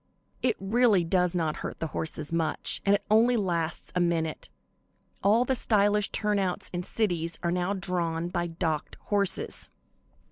It really does not hurt the horses much, and it only lasts a minute. All the stylish turnouts in cities are now drawn by docked horses."